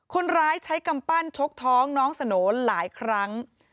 คนร้ายใช้กำปั้นชกท้องน้องสโนหลายครั้ง